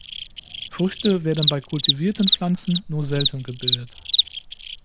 Früchte werden bei kultivierten Pflanzen nur selten gebildet.